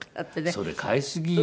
それ買いすぎよ。